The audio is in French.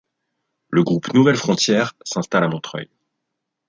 Le groupe Nouvelles Frontières s'installe à Montreuil.